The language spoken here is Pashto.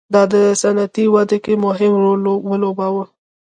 دا د صنعتي وده کې مهم رول ولوباوه.